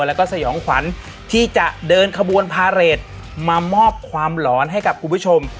แล้วก็สยองขวัญที่จะเดินขบวนพาเรทมามอบความหลอนให้กับคุณผู้ชม